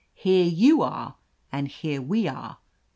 Here you are and here we are.